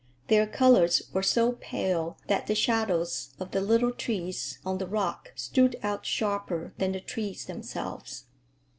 Their colors were so pale that the shadows of the little trees on the rock stood out sharper than the trees themselves.